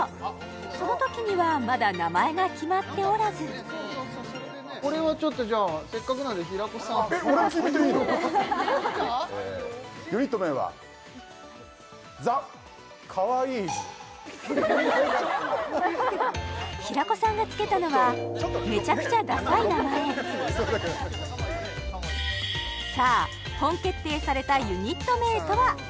そのときにはまだ名前が決まっておらずこれはちょっとじゃあユニット名はザ・かわいいズ平子さんがつけたのはめちゃくちゃダサい名前さあ本決定されたユニット名とは？